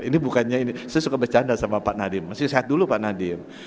ini bukannya ini saya suka bercanda sama pak nadiem masih sehat dulu pak nadiem